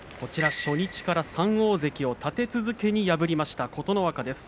初日から３大関を立て続けに破りました琴ノ若です。